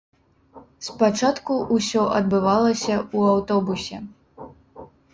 Спачатку ўсё адбывалася ў аўтобусе.